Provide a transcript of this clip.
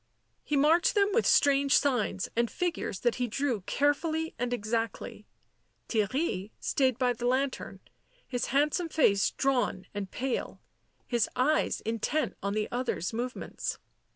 He marked them with strange signs and figures that he drew carefully and exactly, rheirry stayed by the lantern, his handsome face drawn ind pale, his eyes intent on the other's movements.